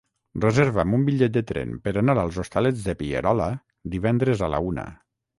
Reserva'm un bitllet de tren per anar als Hostalets de Pierola divendres a la una.